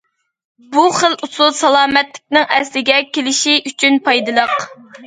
بۇ خىل ئۇسۇل سالامەتلىكنىڭ ئەسلىگە كېلىشى ئۈچۈن پايدىلىق.